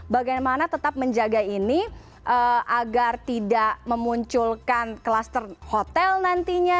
bagaimana tetap menjaga ini agar tidak memunculkan kluster hotel nantinya